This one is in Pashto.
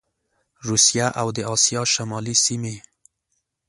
روسیه او د اسیا شمالي سیمي